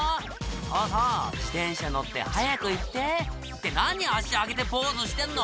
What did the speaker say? そうそう自転車乗って早く行ってって何足上げてポーズしてんの！